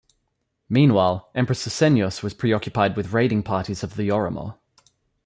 Meanwhile, Emperor Susenyos was preoccupied with raiding parties of the Oromo.